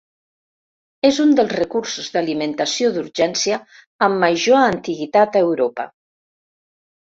És un dels recursos d'alimentació d'urgència amb major antiguitat a Europa.